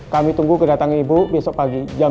kami tunggu kedatangan ibu besok pagi jam sembilan